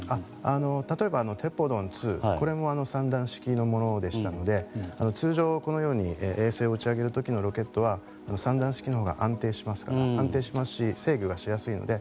例えば、テポドン２も３段式のものでしたので通常、衛星を打ち上げる時のロケットは３段式のほうが安定しますし制御がしやすいので。